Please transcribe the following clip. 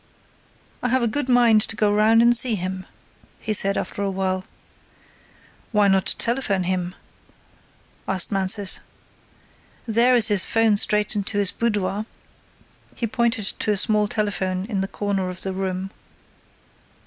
"I have a good mind to go round and see him," he said after a while. "Why not telephone to him?" asked Mansus. "There is his 'phone straight into his boudoir." He pointed to a small telephone in a corner of the room.